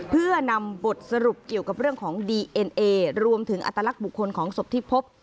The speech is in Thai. เพื่อนำบทสรุปเกี่ยวกับเรื่องของดีเอ็นเอรวมถึงอัตลักษณ์บุคคลของศพที่พบ